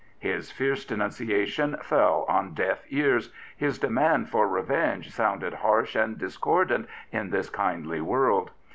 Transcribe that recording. His fierce denuncia tion fell on deaf ears, his demand for revenge sounded harsh and discordant in this kindly world.